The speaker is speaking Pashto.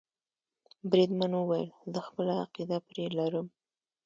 بریدمن وویل زه خپله عقیده پرې لرم.